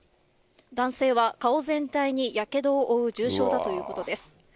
男性は顔全体にやけどを負う重傷だということです。